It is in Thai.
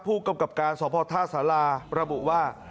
ผู้กำกับการสพท่าสาราระบุว่า